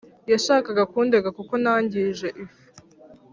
yashakaga kundega kuko nangije ifu.